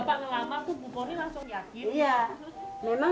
kalau di bapak ngelama tuh